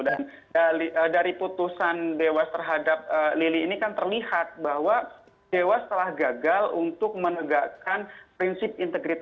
dan dari putusan dewas terhadap lili ini kan terlihat bahwa dewas telah gagal untuk menegakkan prinsip prinsip yang tersebut